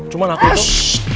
cuman aku tuh